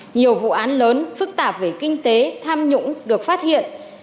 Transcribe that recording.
nhiều vụ án lớn phức tạp về kinh tế tham nhũng được phát hiện